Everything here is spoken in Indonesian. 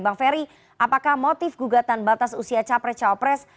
bang ferry apakah motif gugatan batas usia capres cawapres